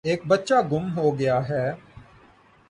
ایک بچہ گُم ہو گیا ہے۔